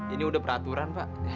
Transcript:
ini udah peraturan pak